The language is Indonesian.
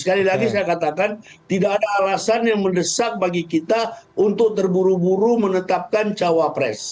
sekali lagi saya katakan tidak ada alasan yang mendesak bagi kita untuk terburu buru menetapkan cawapres